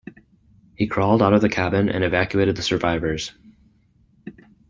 He crawled out of the cabin and evacuated the survivors.